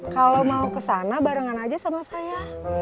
kalau mau kesana barengan aja sama saya